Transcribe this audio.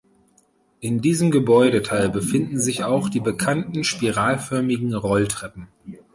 In diesem Gebäudeteil befinden sich auch die bekannten spiralförmigen Rolltreppen.